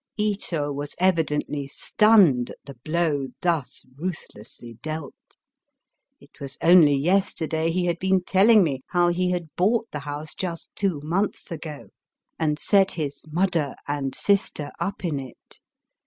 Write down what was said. Ito was evidently stunned at the blow thus ruthlessly dealt. It was only yesterday he had been telling me how he had bought the house just two months ago, and set his mudder " and sister up in it.